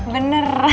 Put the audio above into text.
mau ikut donor darah